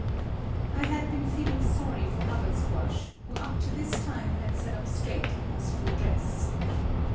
I had been feeling sorry for Hubbard Squash, who up to this time had sat up straight in his full dress.